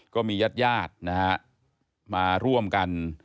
ก็มีญาติญาตินะฮะมาร่วมกัน